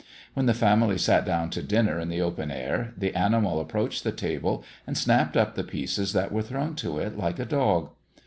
When the family sat down to dinner in the open air, the animal approached the table, and snapped up the pieces that were thrown to it, like a dog.